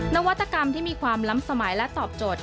นวัตกรรมที่มีความล้ำสมัยและตอบโจท